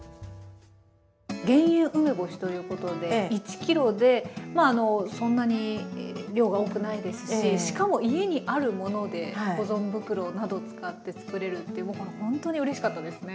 減塩梅干しということで１ｋｇでそんなに量が多くないですししかも家にあるもので保存袋など使って作れるっていうこれもうほんとにうれしかったですね。